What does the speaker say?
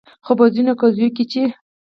خو په ځینو قضیو کې چې